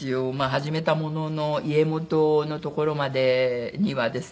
始めたものの家元のところまでにはですね